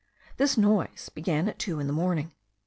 This noise began at two in the morning.